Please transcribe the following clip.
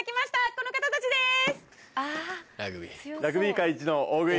この方たちです。